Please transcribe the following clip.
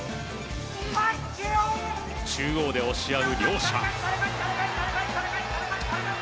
中央で押し合う両者。